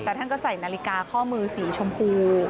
แต่ท่านก็ใส่นาฬิกาข้อมือสีชมพู